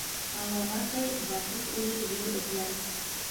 Алама тай батып үлер ер эҙләр.